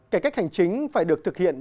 cải cách hành chính phải được thực hiện